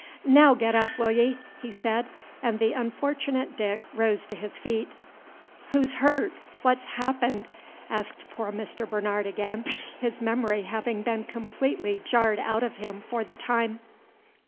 "Naow get up, will ye?" he said; and the unfortunate Dick rose to his feet. "Who's hurt? What's happened?" asked poor Mr. Bernard again, his memory having been completely jarred out of him for the time.